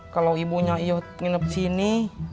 kalau ibunya nginep disini